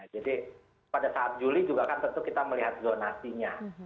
jadi pada saat juli juga kan tentu kita melihat donasinya